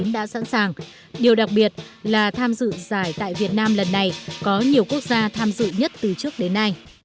đã sẵn sàng điều đặc biệt là tham dự giải tại việt nam lần này có nhiều quốc gia tham dự nhất từ trước đến nay